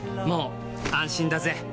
もう安心だぜ！